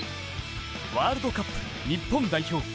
ワールドカップ日本代表。